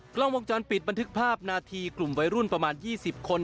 กล้องวงจรปิดบันทึกภาพนาทีกลุ่มวัยรุ่นประมาณ๒๐คน